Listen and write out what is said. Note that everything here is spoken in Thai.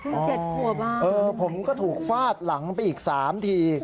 ๗ขวบเออผมก็ถูกฟาดหลังไปอีก๓ที